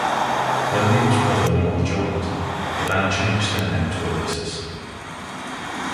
When Liam's brother Noel joined, the band changed their name to Oasis.